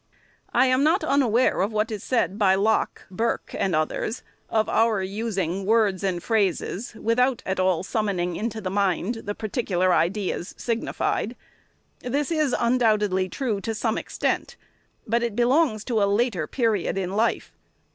I am not unaware of what is said by Locke, Burke, and others, of our using words and phrases, without at all summoning into the mind the particular ideas signi fied. This is undoubtedly true, to some extent, but it belongs to a later period in life.